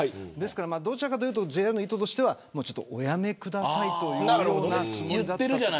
どちらかというとＪＲの意図としてはおやめくださいというような。